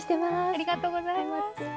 ありがとうございます。